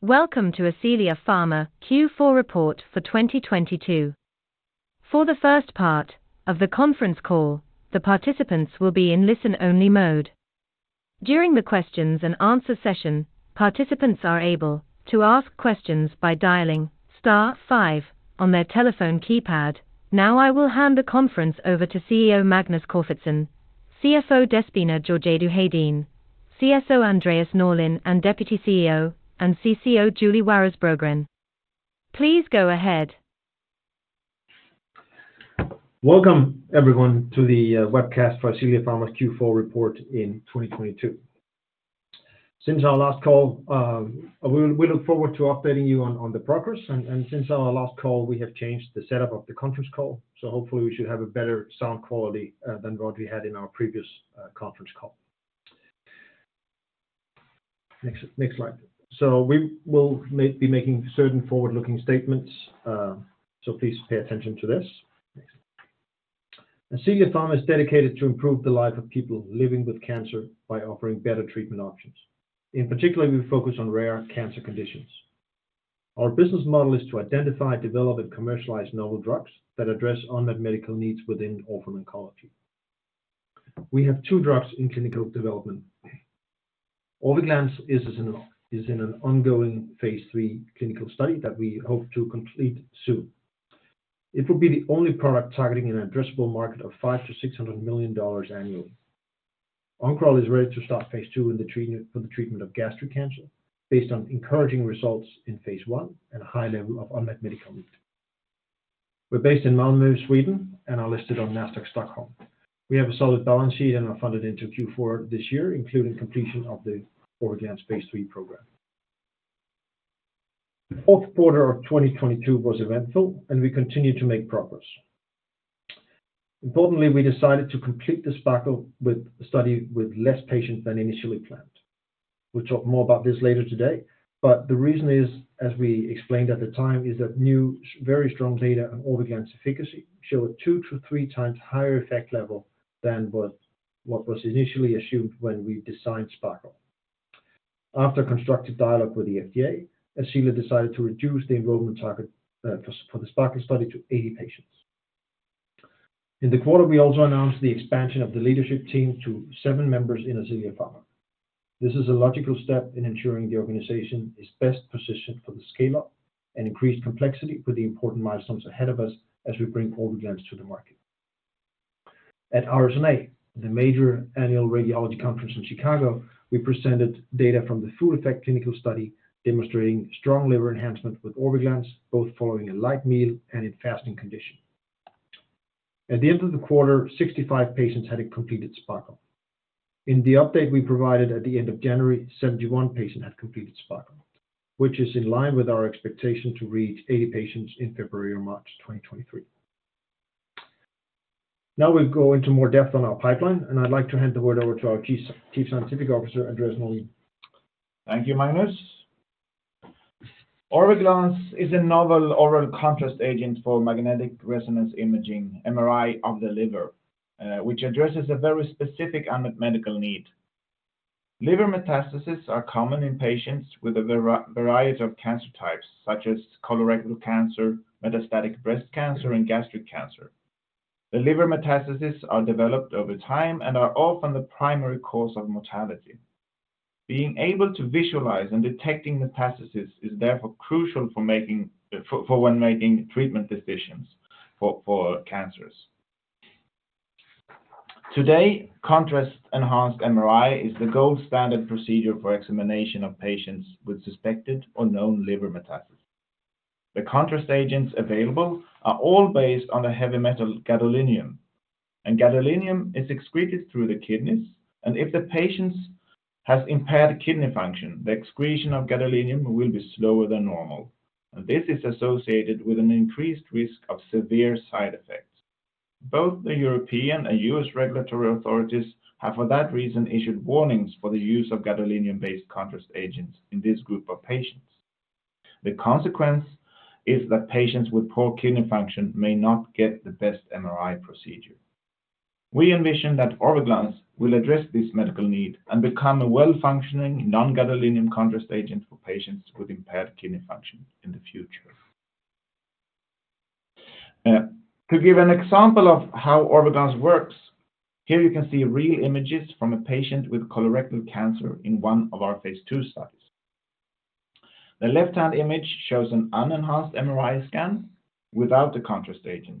Welcome to Ascelia Pharma Q4 report for 2022. For the first part of the conference call, the participants will be in listen-only mode. During the questions and answer session, participants are able to ask questions by dialing star five on their telephone keypad. Now, I will hand the conference over to CEO Magnus Corfitzen, CFO Déspina Georgiadou Hedin, CSO Andreas Norlin, and Deputy CEO and CCO Julie Waras Brogren. Please go ahead. Welcome everyone to the webcast for Ascelia Pharma Q4 report in 2022. Since our last call, we look forward to updating you on the progress and since our last call, we have changed the setup of the conference call. Hopefully we should have a better sound quality than what we had in our previous conference call. Next slide. We will be making certain forward-looking statements, so please pay attention to this. Next. Ascelia Pharma is dedicated to improve the life of people living with cancer by offering better treatment options. In particular, we focus on rare cancer conditions. Our business model is to identify, develop, and commercialize novel drugs that address unmet medical needs within orphan oncology. We have two drugs in clinical development. Orviglance is in an ongoing phase III clinical study that we hope to complete soon. It will be the only product targeting an addressable market of $500 million-$600 million annually. Oncoral is ready to start phase II for the treatment of gastric cancer based on encouraging results in phase I and a high level of unmet medical need. We're based in Malmö, Sweden, and are listed on Nasdaq Stockholm. We have a solid balance sheet and are funded into Q4 this year, including completion of the Orviglance phase III program. The fourth quarter of 2022 was eventful. We continued to make progress. Importantly, we decided to complete the SPARKLE study with less patients than initially planned. We'll talk more about this later today. The reason is, as we explained at the time, is that new very strong data on Orviglance efficacy show a 2x-3x higher effect level than what was initially assumed when we designed SPARKLE. After constructive dialogue with the FDA, Ascelia decided to reduce the enrollment target for the SPARKLE study to 80 patients. In the quarter, we also announced the expansion of the leadership team to seven members in Ascelia Pharma. This is a logical step in ensuring the organization is best positioned for the scale up and increased complexity with the important milestones ahead of us as we bring Orviglance to the market. At RSNA, the major annual radiology conference in Chicago, we presented data from the food effect clinical study demonstrating strong liver enhancement with Orviglance, both following a light meal and in fasting condition. At the end of the quarter, 65 patients had a completed SPARKLE. In the update we provided at the end of January, 71 patients had completed SPARKLE, which is in line with our expectation to reach 80 patients in February or March 2023. We'll go into more depth on our pipeline, and I'd like to hand the word over to our Chief Scientific Officer, Andreas Norlin. Thank you, Magnus. Orviglance is a novel oral contrast agent for magnetic resonance imaging, MRI of the liver, which addresses a very specific unmet medical need. Liver metastases are common in patients with a variety of cancer types, such as colorectal cancer, metastatic breast cancer, and gastric cancer. The liver metastases are developed over time and are often the primary cause of mortality. Being able to visualize and detecting metastases is therefore crucial for when making treatment decisions for cancers. Today, contrast enhanced MRI is the gold standard procedure for examination of patients with suspected or known liver metastases. The contrast agents available are all based on a heavy metal gadolinium, and gadolinium is excreted through the kidneys. If the patients has impaired kidney function, the excretion of gadolinium will be slower than normal. This is associated with an increased risk of severe side effects. Both the European and U.S. regulatory authorities have for that reason issued warnings for the use of gadolinium-based contrast agents in this group of patients. The consequence is that patients with poor kidney function may not get the best MRI procedure. We envision that Orviglance will address this medical need and become a well-functioning non-gadolinium contrast agent for patients with impaired kidney function in the future. To give an example of how Orviglance works, here you can see real images from a patient with colorectal cancer in one of our phase II studies. The left-hand image shows an unenhanced MRI scan without the contrast agent.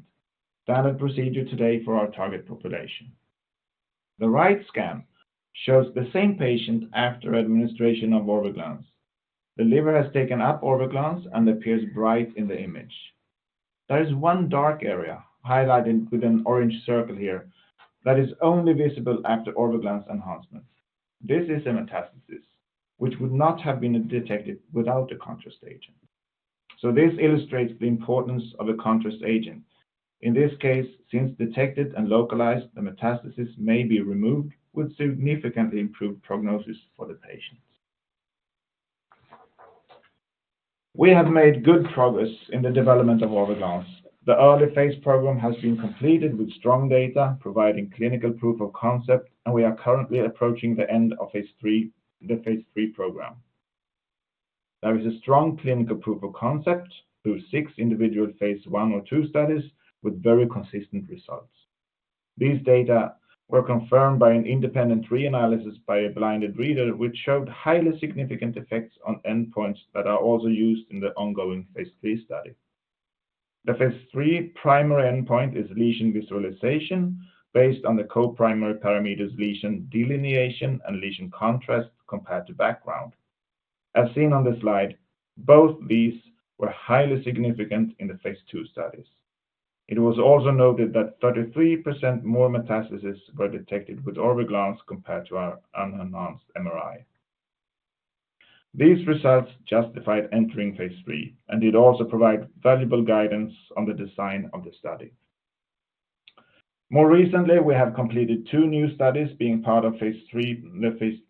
Standard procedure today for our target population. The right scan shows the same patient after administration of Orviglance. The liver has taken up Orviglance and appears bright in the image. There is one dark area highlighted with an orange circle here that is only visible after Orviglance enhancements. This is a metastasis, which would not have been detected without the contrast agent. This illustrates the importance of a contrast agent. In this case, since detected and localized, the metastasis may be removed with significantly improved prognosis for the patients. We have made good progress in the development of Orviglance. The early phase program has been completed with strong data providing clinical proof of concept, and we are currently approaching the end of phase III, the phase III program. There is a strong clinical proof of concept through six individual phase I or II studies with very consistent results. These data were confirmed by an independent re-analysis by a blinded reader which showed highly significant effects on endpoints that are also used in the ongoing phase III study. The phase III primary endpoint is lesion visualization based on the co-primary parameters lesion delineation and lesion contrast compared to background. As seen on the slide, both these were highly significant in the phase II studies. It was also noted that 33% more metastases were detected with Orviglance compared to our unenhanced MRI. These results justified entering phase III and it also provide valuable guidance on the design of the study. More recently, we have completed two new studies being part of phase III, the phase III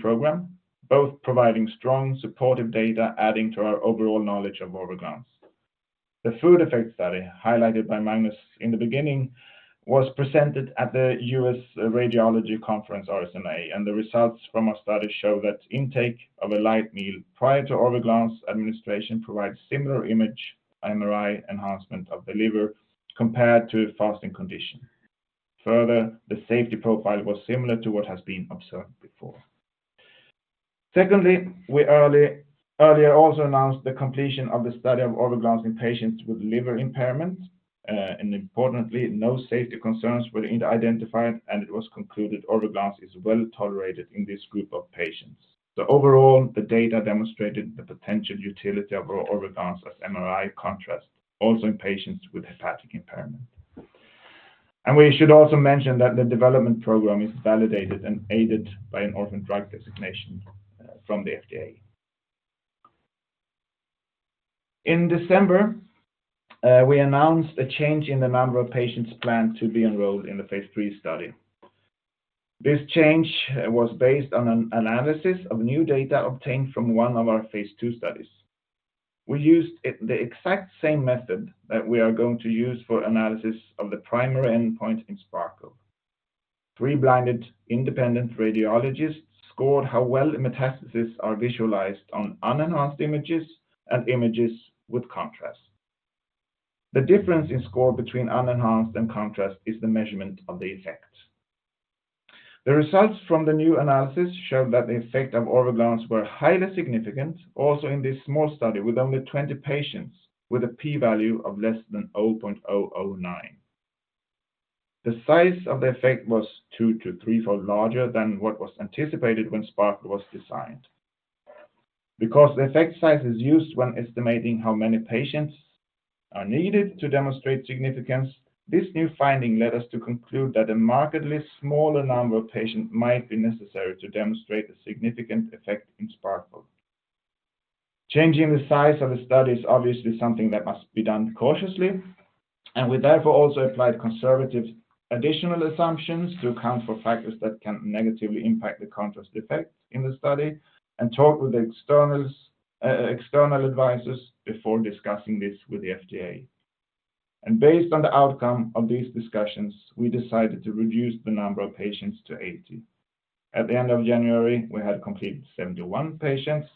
program, both providing strong supportive data adding to our overall knowledge of Orviglance. The food effects study highlighted by Magnus in the beginning was presented at the U.S. Radiology Conference, RSNA. The results from our study show that intake of a light meal prior to Orviglance administration provides similar image MRI enhancement of the liver compared to fasting condition. Further, the safety profile was similar to what has been observed before. We earlier also announced the completion of the study of Orviglance in patients with liver impairment. Importantly, no safety concerns were identified, and it was concluded Orviglance is well-tolerated in this group of patients. Overall, the data demonstrated the potential utility of Orviglance as MRI contrast, also in patients with hepatic impairment. We should also mention that the development program is validated and aided by an orphan drug designation from the FDA. In December, we announced a change in the number of patients planned to be enrolled in the phase III study. This change was based on an analysis of new data obtained from one of our phase II studies. We used the exact same method that we are going to use for analysis of the primary endpoint in SPARKLE. three blinded independent radiologists scored how well the metastases are visualized on unenhanced images and images with contrast. The difference in score between unenhanced and contrast is the measurement of the effect. The results from the new analysis showed that the effect of Orviglance were highly significant also in this small study with only 20 patients, with a P value of less than 0.009. The size of the effect was two to three-fold larger than what was anticipated when SPARKLE was designed. Because the effect size is used when estimating how many patients are needed to demonstrate significance, this new finding led us to conclude that a markedly smaller number of patients might be necessary to demonstrate a significant effect in SPARKLE. Changing the size of the study is obviously something that must be done cautiously, we therefore also applied conservative additional assumptions to account for factors that can negatively impact the contrast effect in the study and talked with external advisors before discussing this with the FDA. Based on the outcome of these discussions, we decided to reduce the number of patients to 80. At the end of January, we had completed 71 patients,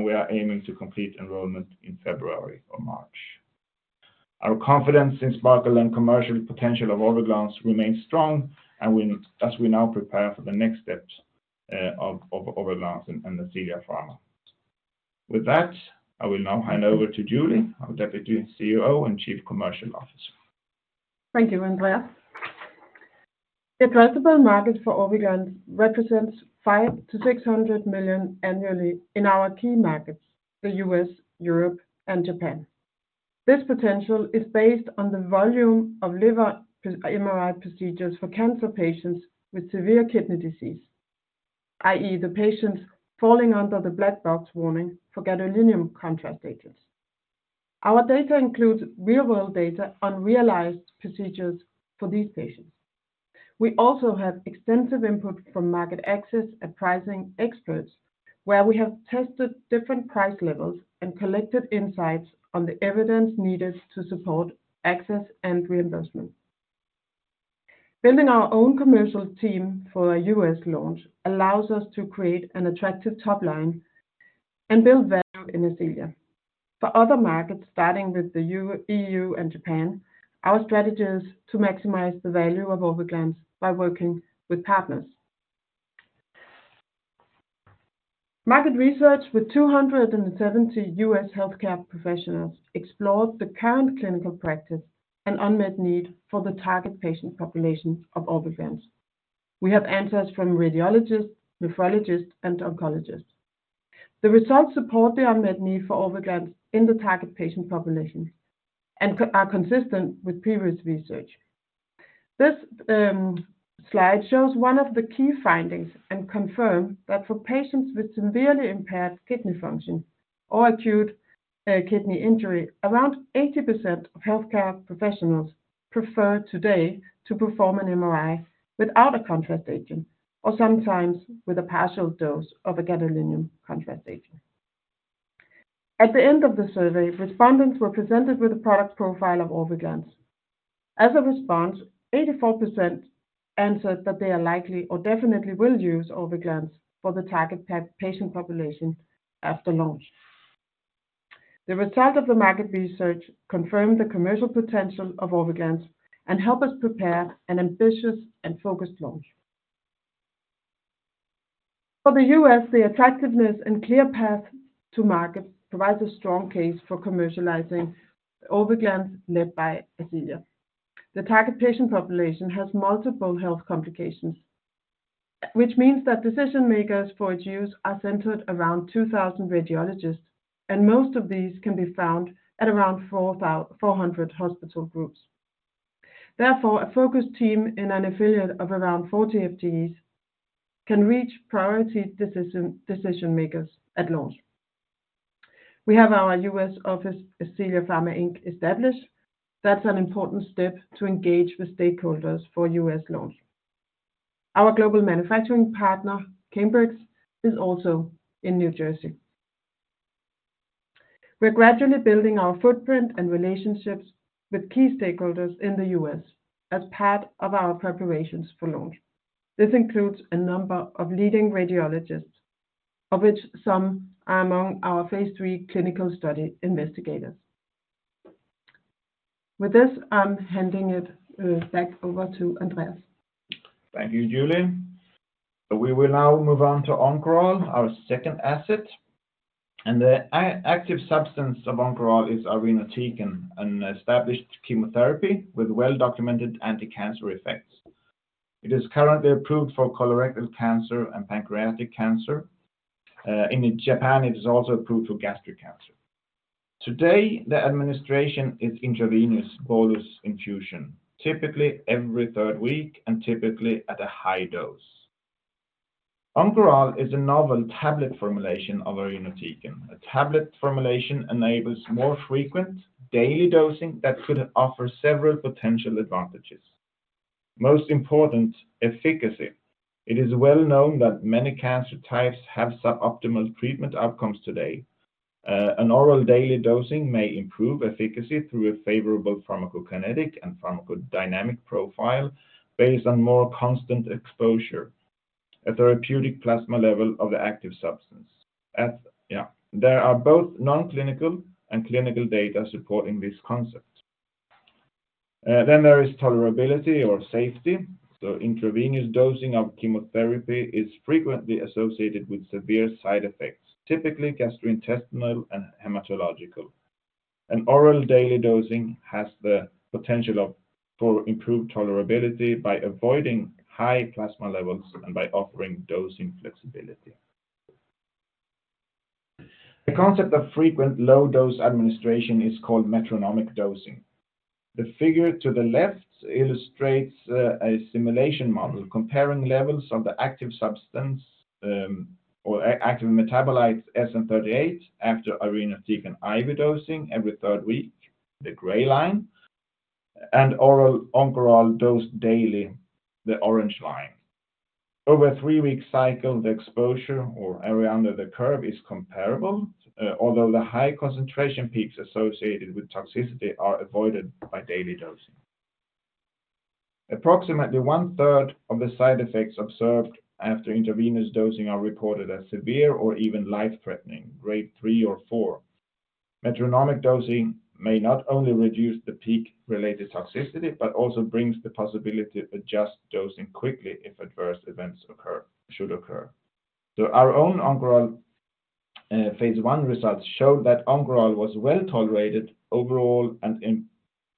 we are aiming to complete enrollment in February or March. Our confidence in SPARKLE and commercial potential of Orviglance remains strong, as we now prepare for the next steps of Orviglance and Ascelia Pharma. With that, I will now hand over to Julie, our Deputy CEO and Chief Commercial Officer. Thank you, Andreas. The addressable market for Orviglance represents $500 million-$600 million annually in our key markets, the U.S., Europe and Japan. This potential is based on the volume of liver MRI procedures for cancer patients with severe kidney disease, i.e., the patients falling under the boxed warning for gadolinium contrast agents. Our data includes real world data on realized procedures for these patients. We also have extensive input from market access and pricing experts, where we have tested different price levels and collected insights on the evidence needed to support access and reimbursement. Building our own commercial team for a U.S. launch allows us to create an attractive top line and build value in Ascelia. For other markets, starting with the EU and Japan, our strategy is to maximize the value of Orviglance by working with partners. Market research with 270 US healthcare professionals explored the current clinical practice and unmet need for the target patient population of Orviglance. We have answers from radiologists, nephrologists, and oncologists. The results support the unmet need for Orviglance in the target patient population and are consistent with previous research. This slide shows one of the key findings and confirm that for patients with severely impaired kidney function or acute kidney injury, around 80% of healthcare professionals prefer today to perform an MRI without a contrast agent or sometimes with a partial dose of a gadolinium contrast agent. At the end of the survey, respondents were presented with a product profile of Orviglance. As a response, 84% answered that they are likely or definitely will use Orviglance for the target patient population after launch. The result of the market research confirmed the commercial potential of Orviglance and help us prepare an ambitious and focused launch. For the U.S., the attractiveness and clear path to market provides a strong case for commercializing Orviglance led by Ascelia. The target patient population has multiple health complications, which means that decision-makers for its use are centered around 2,000 radiologists, and most of these can be found at around 400 hospital groups. Therefore, a focused team in an affiliate of around 40 FTEs can reach priority decision-makers at launch. We have our U.S. office, Ascelia Pharma Inc., established. That's an important step to engage with stakeholders for U.S. launch. Our global manufacturing partner, Cambrex, is also in New Jersey. We're gradually building our footprint and relationships with key stakeholders in the U.S. as part of our preparations for launch. This includes a number of leading radiologists, of which some are among our phase III clinical study investigators. With this, I'm handing it back over to Andreas. Thank you, Julie. We will now move on to Oncoral, our second asset. The active substance of Oncoral is irinotecan, an established chemotherapy with well-documented anticancer effects. It is currently approved for colorectal cancer and pancreatic cancer. In Japan, it is also approved for gastric cancer. Today, the administration is intravenous bolus infusion, typically every third week and typically at a high dose. Oncoral is a novel tablet formulation of irinotecan. A tablet formulation enables more frequent daily dosing that could offer several potential advantages. Most important, efficacy. It is well known that many cancer types have suboptimal treatment outcomes today. An oral daily dosing may improve efficacy through a favorable pharmacokinetic and pharmacodynamic profile based on more constant exposure, a therapeutic plasma level of the active substance. Yeah. There are both non-clinical and clinical data supporting this concept. There is tolerability or safety. Intravenous dosing of chemotherapy is frequently associated with severe side effects, typically gastrointestinal and hematological. An oral daily dosing has the potential for improved tolerability by avoiding high plasma levels and by offering dosing flexibility. The concept of frequent low-dose administration is called metronomic dosing. The figure to the left illustrates a simulation model comparing levels of the active substance, or active metabolites SN-38 after irinotecan IV dosing every third week, the gray line, and oral Oncoral dosed daily, the orange line. Over a three-week cycle, the exposure or area under the curve is comparable, although the high concentration peaks associated with toxicity are avoided by daily dosing. Approximately 1/3 of the side effects observed after intravenous dosing are reported as severe or even life-threatening, grade three or four. Metronomic dosing may not only reduce the peak-related toxicity but also brings the possibility to adjust dosing quickly if adverse events should occur. Our own Oncoral phase I results show that Oncoral was well-tolerated overall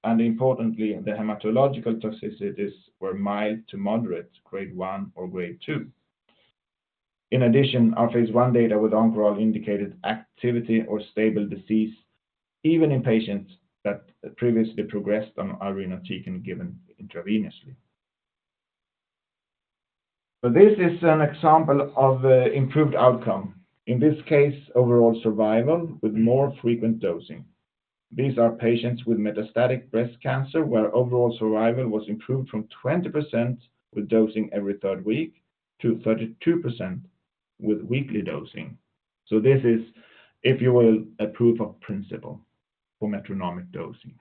and importantly, the hematological toxicities were mild to moderate, grade one or grade two. In addition, our phase I data with Oncoral indicated activity or stable disease, even in patients that previously progressed on irinotecan given intravenously. This is an example of improved outcome, in this case, overall survival with more frequent dosing. These are patients with metastatic breast cancer, where overall survival was improved from 20% with dosing every third week to 32% with weekly dosing. This is, if you will, a proof of principle for metronomic dosing.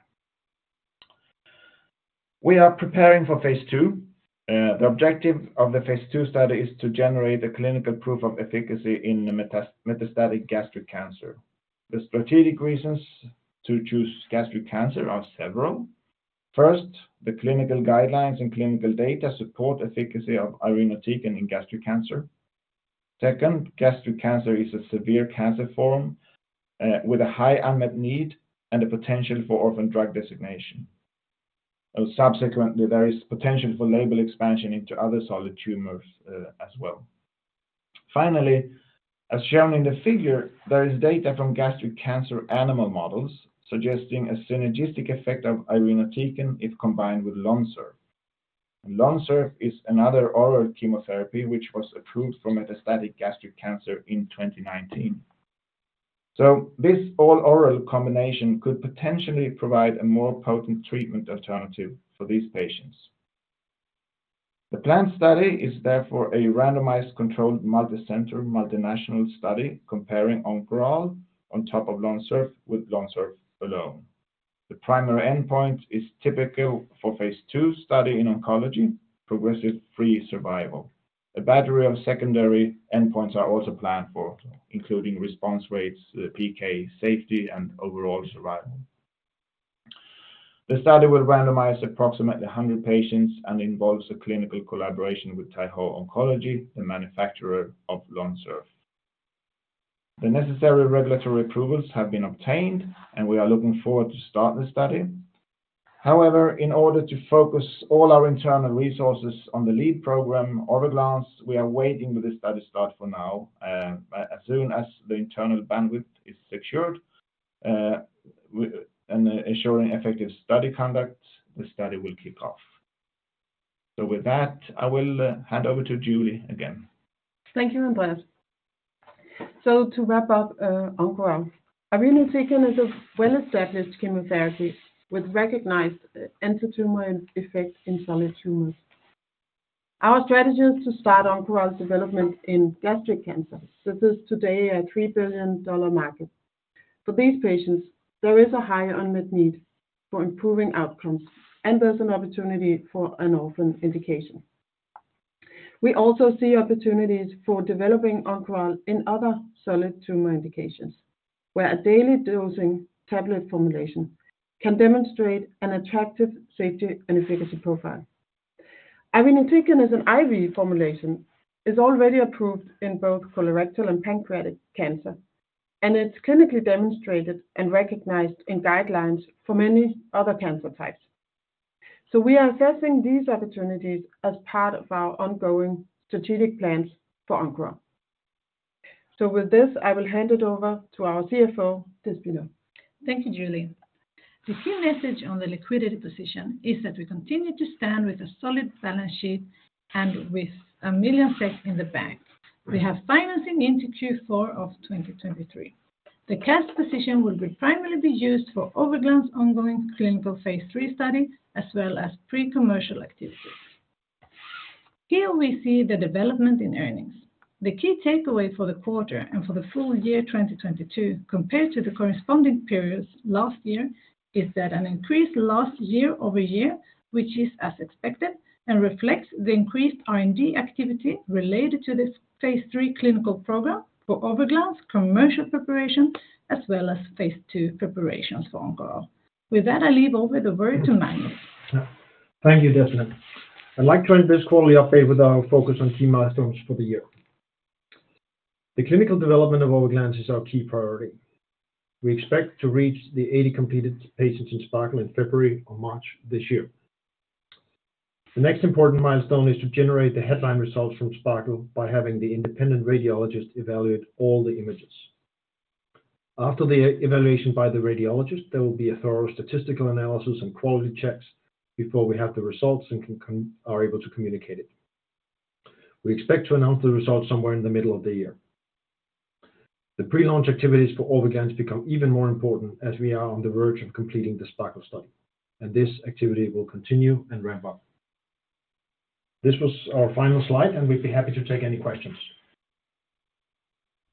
We are preparing for phase II. The objective of the phase II study is to generate a clinical proof of efficacy in metastatic gastric cancer. The strategic reasons to choose gastric cancer are several. First, the clinical guidelines and clinical data support efficacy of irinotecan in gastric cancer. Second, gastric cancer is a severe cancer form with a high unmet need and a potential for orphan drug designation. Subsequently, there is potential for label expansion into other solid tumors as well. Finally, as shown in the figure, there is data from gastric cancer animal models suggesting a synergistic effect of irinotecan if combined with LONSURF. LONSURF is another oral chemotherapy which was approved for metastatic gastric cancer in 2019. This all oral combination could potentially provide a more potent treatment alternative for these patients. The planned study is therefore a randomized controlled multicenter multinational study comparing Oncoral on top of LONSURF with LONSURF alone. The primary endpoint is typical for phase II study in oncology, progression-free survival. A battery of secondary endpoints are also planned for, including response rates, PK safety, and overall survival. The study will randomize approximately 100 patients and involves a clinical collaboration with Taiho Oncology, the manufacturer of LONSURF. The necessary regulatory approvals have been obtained, and we are looking forward to start the study. In order to focus all our internal resources on the lead program, Orviglance, we are waiting with the study start for now. As soon as the internal bandwidth is secured, and ensuring effective study conduct, the study will kick off. With that, I will hand over to Julie again. Thank you, Andreas. To wrap up, Oncoral. Irinotecan is a well-established chemotherapy with recognized antitumor effects in solid tumors. Our strategy is to start Oncoral's development in gastric cancer. This is today a $3 billion market. For these patients, there is a high unmet need for improving outcomes, and there's an opportunity for an orphan indication. We also see opportunities for developing Oncoral in other solid tumor indications, where a daily dosing tablet formulation can demonstrate an attractive safety and efficacy profile. Irinotecan as an IV formulation is already approved in both colorectal and pancreatic cancer, and it's clinically demonstrated and recognized in guidelines for many other cancer types. We are assessing these opportunities as part of our ongoing strategic plans for Oncoral. With this, I will hand it over to our CFO, Déspina. Thank you, Julie. The key message on the liquidity position is that we continue to stand with a solid balance sheet and with 1 million SEK in the bank. We have financing into Q4 of 2023. The cash position will primarily be used for Orviglance ongoing clinical phase III study as well as pre-commercial activities. Here we see the development in earnings. The key takeaway for the quarter and for the full year 2022 compared to the corresponding periods last year is that an increase year-over-year, which is as expected, and reflects the increased R&D activity related to this phase III clinical program for Orviglance commercial preparation, as well as phase II preparations for Oncoral. With that, I leave over the word to Magnus. Thank you, Déspina. I'd like to end this quarterly update with our focus on key milestones for the year. The clinical development of Orviglance is our key priority. We expect to reach the 80 completed patients in SPARKLE in February or March this year. The next important milestone is to generate the headline results from SPARKLE by having the independent radiologist evaluate all the images. After the evaluation by the radiologist, there will be a thorough statistical analysis and quality checks before we have the results and are able to communicate it. We expect to announce the results somewhere in the middle of the year. The pre-launch activities for Orviglance become even more important as we are on the verge of completing the SPARKLE study, and this activity will continue and ramp up. This was our final slide, and we'd be happy to take any questions.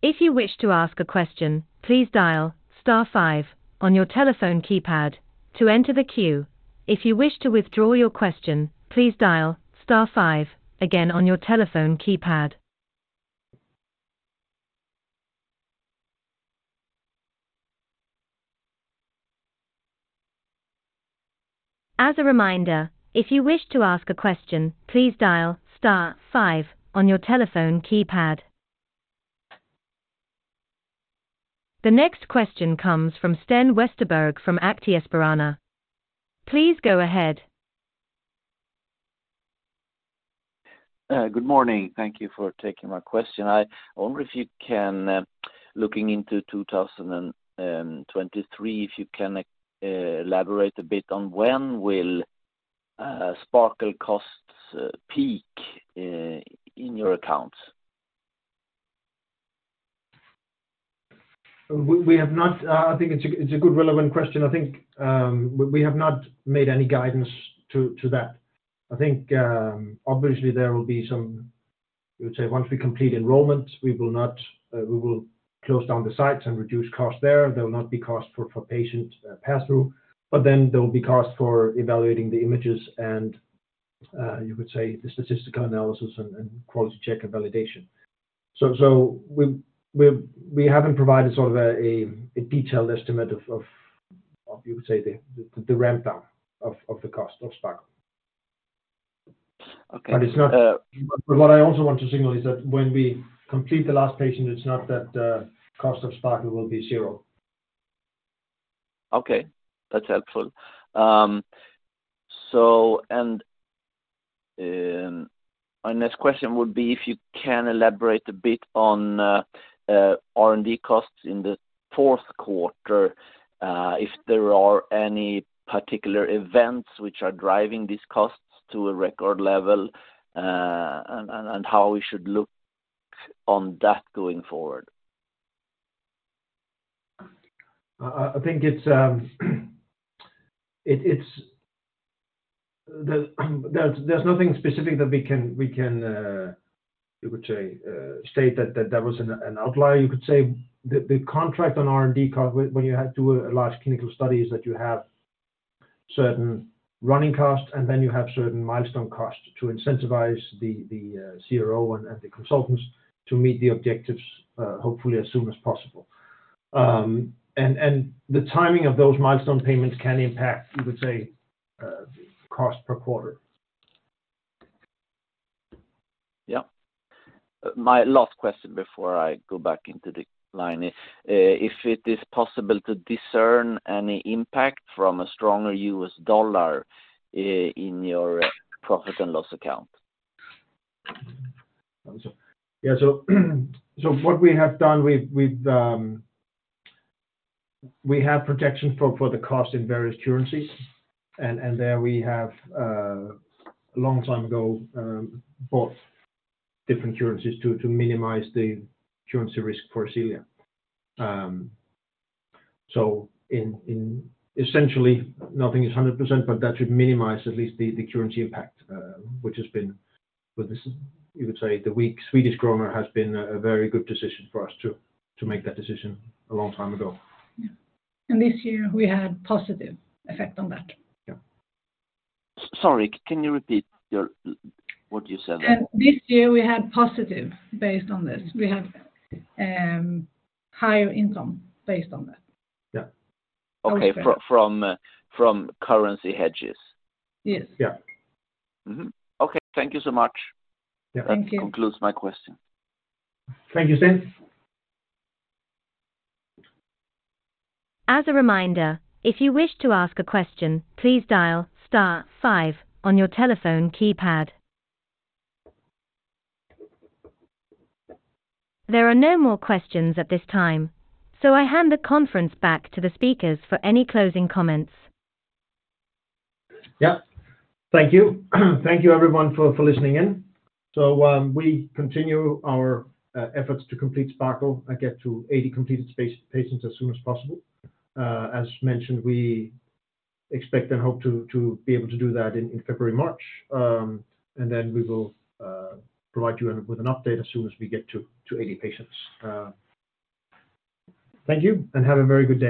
If you wish to ask a question, please dial star five on your telephone keypad to enter the queue. If you wish to withdraw your question, please dial star five again on your telephone keypad. As a reminder, if you wish to ask a question, please dial star five on your telephone keypad. The next question comes from Sten Westerberg from Aktiespararen. Please go ahead. Good morning. Thank you for taking my question. I wonder if you can, looking into 2023, if you can elaborate a bit on when will SPARKLE costs peak in your accounts? I think it's a good relevant question. I think we have not made any guidance to that. I think obviously there will be some, you could say once we complete enrollment, we will close down the sites and reduce costs there. There will not be costs for patient pass-through. There will be costs for evaluating the images and, you could say the statistical analysis and quality check and validation. We haven't provided sort of a detailed estimate of you could say the ramp down of the cost of SPARKLE. Okay. What I also want to signal is that when we complete the last patient, it's not that, cost of SPARKLE will be zero. That's helpful. My next question would be if you can elaborate a bit on R&D costs in the fourth quarter, if there are any particular events which are driving these costs to a record level, and how we should look on that going forward? I think it's. There's nothing specific that we can, you could say, state that was an outlier. You could say the contract on R&D when you do a large clinical study is that you have certain running costs, and then you have certain milestone costs to incentivize the CRO and the consultants to meet the objectives, hopefully as soon as possible. The timing of those milestone payments can impact, you could say, cost per quarter. Yeah. My last question before I go back into the line is, if it is possible to discern any impact from a stronger US dollar, in your profit and loss account? What we have done, we have protection for the cost in various currencies. There we have a long time ago bought different currencies to minimize the currency risk for Ascelia. In essentially nothing is 100%, but that should minimize at least the currency impact, which has been with this, you could say the weak Swedish krona has been a very good decision for us to make that decision a long time ago. Yeah. This year we had positive effect on that. Yeah. Sorry, can you repeat what you said there? This year we had positive based on this. We have higher income based on that. Yeah. Okay. From currency hedges? Yes. Yeah. Okay. Thank you so much. Yeah. Thank you. That concludes my question. Thank you, Sten. As a reminder, if you wish to ask a question, please dial star five on your telephone keypad. There are no more questions at this time. I hand the conference back to the speakers for any closing comments. Yeah. Thank you. Thank you everyone for listening in. We continue our efforts to complete SPARKLE and get to 80 completed patients as soon as possible. As mentioned, we expect and hope to be able to do that in February, March. We will provide you with an update as soon as we get to 80 patients. Thank you, have a very good day.